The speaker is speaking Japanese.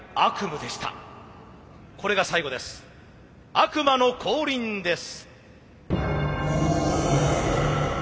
悪魔の降臨です。